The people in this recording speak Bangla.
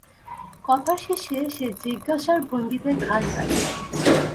কথার শেষে সে জিজ্ঞাসার ভঙ্গিতে ঘাড় নাড়ে।